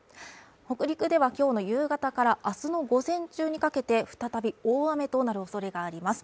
北陸では今日の夕方からあすの午前中にかけて再び大雨となるおそれがあります。